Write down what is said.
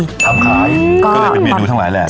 ทำขายก็เลยเป็นเมนูทั้งหลายแหละ